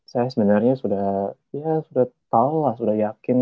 saya sebenarnya sudah ya sudah tahu lah sudah yakin